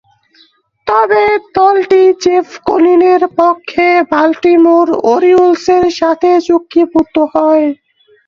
তবে, দলটি জেফ কোনিনের পক্ষে বাল্টিমোর ওরিওলসের সাথে চুক্তিবদ্ধ হয়।